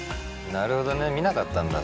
なるほどね見なかったんだ